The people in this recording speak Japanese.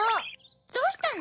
どうしたの？